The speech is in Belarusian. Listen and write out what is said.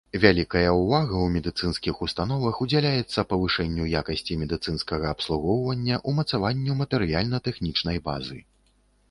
Вялікая ўвага ў медыцынскіх установах удзяляецца павышэнню якасці медыцынскага абслугоўвання, умацаванню матэрыяльна-тэхнічнай базы.